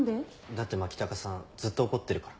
だって牧高さんずっと怒ってるから。